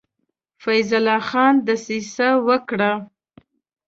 فیض الله خان دسیسه وکړه.